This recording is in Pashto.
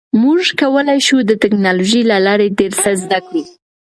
موږ کولی شو د ټکنالوژۍ له لارې ډیر څه زده کړو.